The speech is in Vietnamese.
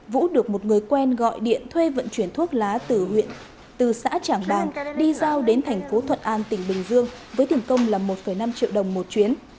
vũ được một người quen gọi điện thuê vận chuyển thuốc lá từ huyện từ xã trảng bàng đi giao đến thành phố thuận an tỉnh bình dương với tiền công là một năm triệu đồng một chuyến